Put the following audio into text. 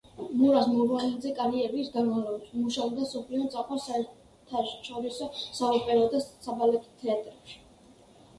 მურაზ მურვანიძე კარიერის განმავლობაში მუშაობდა მსოფლიოს წამყვან საერთაშორისო, საოპერო და საბალეტო თეატრებში.